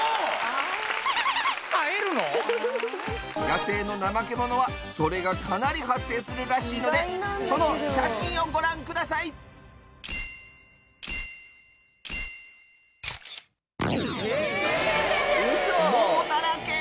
野生のナマケモノはそれがかなり発生するらしいのでその写真をご覧くださいウソ！